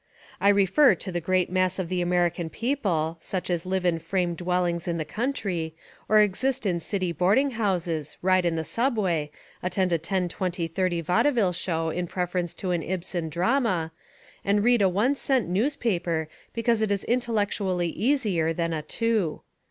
I refer to the great 234 The Amazing Genius of O. Henry mass of the American people, such as live in frame dwellings in the country, or exist in city boarding houses, ride in the subway, attend a ten twenty thirty vaudeville show in preference to an Ibsen drama, and read a one cent news paper because It is intellectually easier than a two.